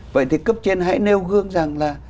vậy thì cấp trên hãy nêu gương rằng là